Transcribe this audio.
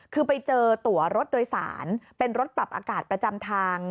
คือไปเจอตัวรถโดยสารเป็นรถปรับอากาศประจำทาง